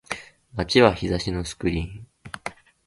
街は日差しのスクリーン